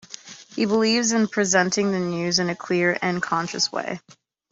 He believes in presenting the news in a clear and concise way.